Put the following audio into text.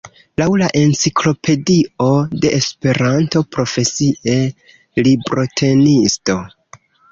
Laŭ la Enciklopedio de Esperanto, «Profesie librotenisto.